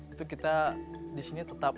itu kita disini tetap